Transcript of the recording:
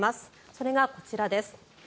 それがこちらです。